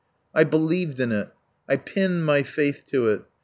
I believed in it. I pinned my faith to it.